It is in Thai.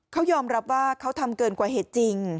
เขายอมรับว่าเขาทำเกินกว่าเหตุจริง